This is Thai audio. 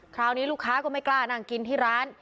คราวนี้ลูกค้าก็ไม่กล้านั่งกินที่ร้าน